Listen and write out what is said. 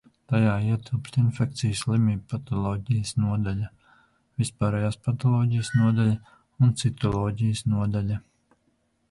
Tajā ietilpst Infekciju slimību patoloģijas nodaļa, Vispārējās patoloģijas nodaļa un Citoloģijas nodaļa.